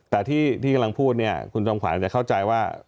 แต่ที่กำลังพูดเนี่ยคุณจอมขวานจะเข้าใจว่า